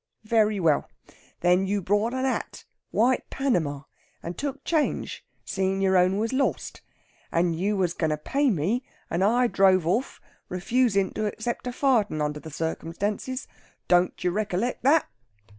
Very well! Then you bought a hat white Panama and took change, seein' your own was lost. And you was going to pay me, and I drove off, refusin' to accept a farden under the circumstances. Don't you rec'lect that?'